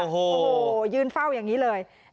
โอ้โหยืนเฝ้าอย่างนี้เลย